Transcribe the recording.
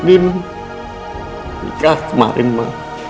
ini nikah kemarin mama